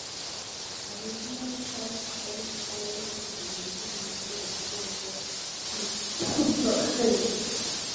Additional tests on soil composition revealed the presence of perchlorate.